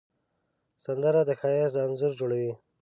سندره د ښایست انځور جوړوي